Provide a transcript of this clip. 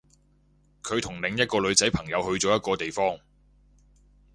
佢同另一個女仔朋友去咗一個地方